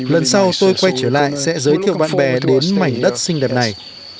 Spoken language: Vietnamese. lần sau tôi quay trở lại sẽ giới thiệu bạn bè đến mảnh đất xinh đẹp này